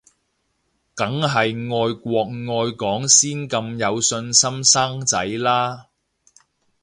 梗係愛國愛港先咁有信心生仔啦